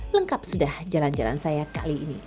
lengkap sudah jalan jalan saya kali ini